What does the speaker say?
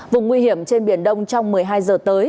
vùng nguy hiểm trên biển đông trong một mươi hai giờ tới